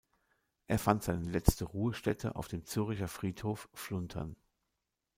Er fand seine letzte Ruhestätte auf dem Zürcher Friedhof Fluntern.